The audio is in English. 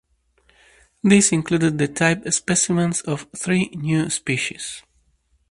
This included the type specimens of three new species.